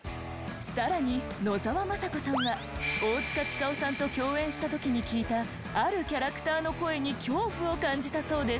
更に野沢雅子さんは大塚周夫さんと共演した時に聞いたあるキャラクターの声に恐怖を感じたそうです。